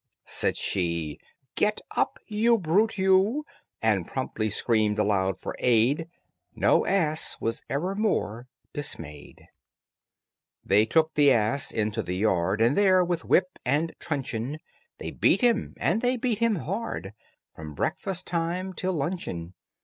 Said she, "Get up, you brute you!" And promptly screamed aloud for aid: No ass was ever more dismayed. [Illustration: "SAID SHE, 'GET UP, YOU BRUTE YOU!'"] They took the ass into the yard And there, with whip and truncheon, They beat him, and they beat him hard, From breakfast time till luncheon.